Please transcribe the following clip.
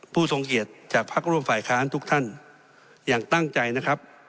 ทรงเกียรติจากพักร่วมฝ่ายค้านทุกท่านอย่างตั้งใจนะครับ